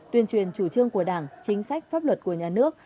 tuyên truyền chủ trương của đảng chính sách pháp luật của nhà nước